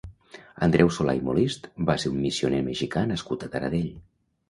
Andreu Solà i Molist va ser un missioner mexicà nascut a Taradell.